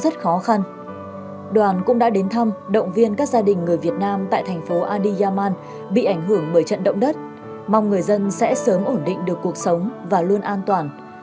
các gia đình người việt nam tại thành phố adiyaman bị ảnh hưởng bởi trận động đất mong người dân sẽ sớm ổn định được cuộc sống và luôn an toàn